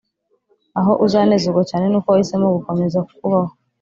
aho uzanezezwa cyane nuko wahisemo gukomeza kubaho